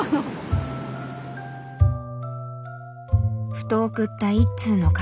ふと送った一通のカード。